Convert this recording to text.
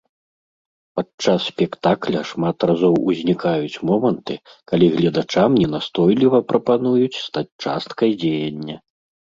Падчас спектакля шмат разоў узнікаюць моманты, калі гледачам ненастойліва прапануюць стаць часткай дзеяння.